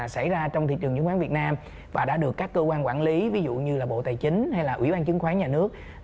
xảy ra trong thị trường chứng khoán việt nam và đã được các cơ quan quản lý ví dụ như là bộ tài chính hay là ủy ban chứng khoán nhà nước